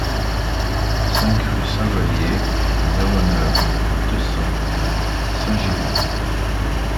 cinq rue Saint-Valier, zéro neuf, deux cents Saint-Girons